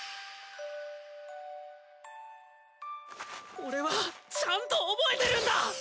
俺はちゃんと覚えてるんだ！